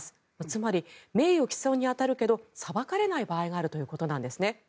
つまり、名誉毀損に当たるけど裁かれない場合があるということなんですね。